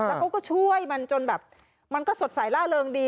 แล้วเขาก็ช่วยมันจนแบบมันก็สดใสล่าเริงดี